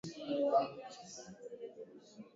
Mwalimu ananifunza.